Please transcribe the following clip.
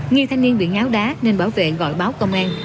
nghi thanh niên bị ngáo đá nên bảo vệ gọi báo công an